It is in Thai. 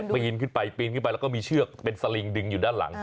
ได้ยินขึ้นไปปีนขึ้นไปแล้วก็มีเชือกเป็นสลิงดึงอยู่ด้านหลัง